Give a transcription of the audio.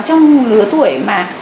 trong lứa tuổi mà